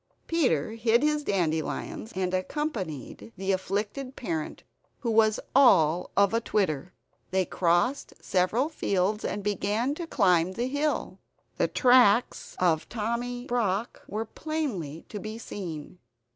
Peter hid his dandelions, and accompanied the afflicted parent, who was all of atwitter. They crossed several fields and began to climb the hill; the tracks of Tommy Brock were plainly to be seen.